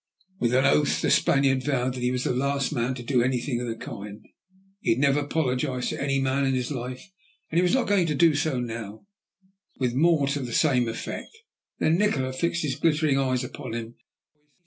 With an oath the Spaniard vowed that he was the last man to do anything of the kind. He had never apologized to any man in his life, and he was not going to do so now, with more to the same effect. Then Nikola fixed his glittering eyes upon him.